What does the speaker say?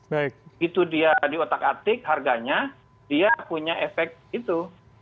begitu dia di otak atik harganya dia punya efek itu